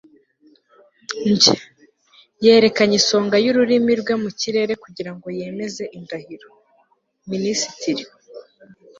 njye. 'yerekanye isonga y'ururimi rwe mu kirere kugira ngo yemeze indahiro. 'minisitiri